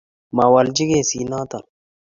mawalchi kesit neton